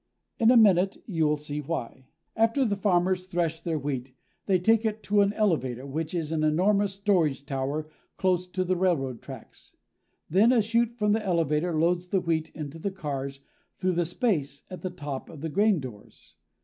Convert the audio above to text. In a minute you'll see why. After the farmers thresh their wheat, they take it to an elevator, which is an enormous storage tower close to the railroad tracks. Then, a chute from the elevator loads the wheat into the cars through the space at the top of the grain doors.